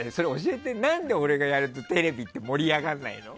何で俺がやるとテレビって盛り上がらないの？